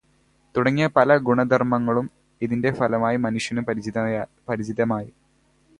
തുടങ്ങിയ പല ഗുണധർമ്മങ്ങളും, ഇതിന്റെ ഫലമായി മനുഷ്യനു് പരിചിതമായി.